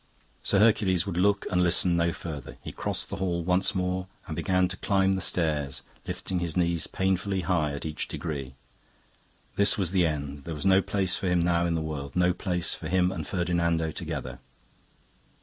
"Sir Hercules would look and listen no further. He crossed the hall once more and began to climb the stairs, lifting his knees painfully high at each degree. This was the end; there was no place for him now in the world, no place for him and Ferdinando together.